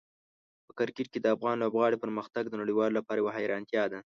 په کرکټ کې د افغان لوبغاړو پرمختګ د نړیوالو لپاره یوه حیرانتیا ده.